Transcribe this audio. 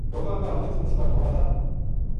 لوکاں کا مُچ اس کا تھوڑا تھا